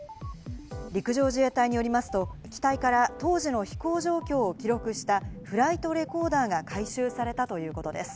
陸上自衛隊によりますと、機体から当時の飛行状況を記録したフライトレコーダーが回収されたということです。